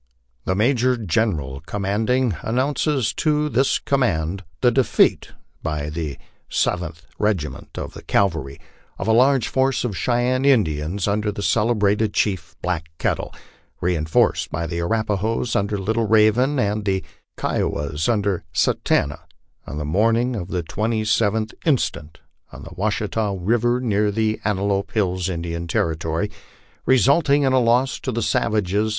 The Major General commanding announces to this com mand the defeat, by the Seventh regiment of cavalry, of a large force of Cheyenne Indians, under the celebrated chief Black Kettle, rel'nforced by the Arrapahoes tinder Little Kaven, and the Ki owas under Satanta, on the morning of the 27th instant, on the Washita river, near the Antelope Hills, Indian Territory, resulting in a loss to the savages c.'